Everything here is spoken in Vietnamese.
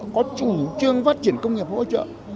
có chủ trương phát triển công nghiệp hỗ trợ